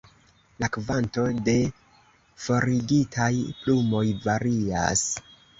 La kvanto de forigitaj plumoj varias.